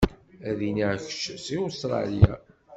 Ad iniɣ kečč seg Ustṛalya.